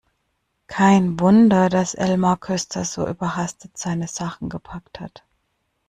Kein Wunder, dass Elmar Köster so überhastet seine Sachen gepackt hat!